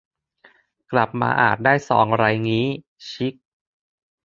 กลับมาอาจได้ซองไรงี้ ชิค